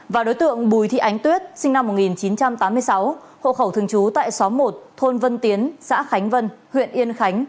và đối tượng bùi thị ánh tuyết sinh năm một nghìn chín trăm tám mươi sáu hộ khẩu thường trú tại xóm một thôn vân tiến xã khánh vân huyện yên khánh